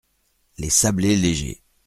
Les sablés légers.